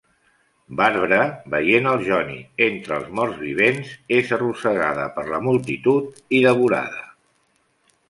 Barbra, veient al Johnny entre els morts vivents, és arrossegada per la multitud i devorada.